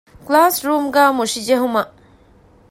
ކްލާސްރޫމުގައި މުށި ޖެހުމަށް